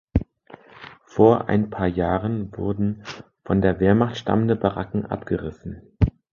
Vor ein paar Jahren wurden von der Wehrmacht stammende Baracken abgerissen.